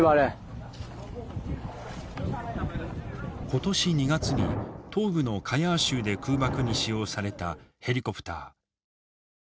今年２月に東部のカヤー州で空爆に使用されたヘリコプター。